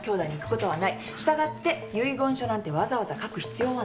従って遺言書なんてわざわざ書く必要はない。